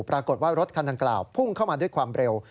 ปรากฏว่ารถคันดังกล่าวพุ่งเข้ามาด้วยความเร็ว